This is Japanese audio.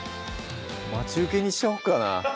待ち受けにしちゃおっかな